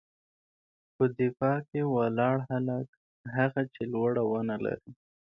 _په دفاع کې ولاړ هلک، هغه چې لوړه ونه لري.